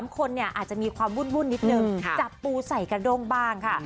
๓คนเนี่ยอาจจะมีความวุ่นนิดนึงจับปูใส่กระด้งบ้างค่ะ